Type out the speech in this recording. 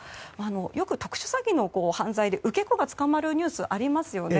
よく特殊詐欺の存在で受け子が捕まるニュースありますよね。